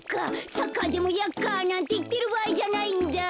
サッカーでもヤッカなんていってるばあいじゃないんだ。